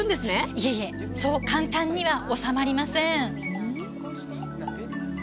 いえいえそう簡単には収まりません。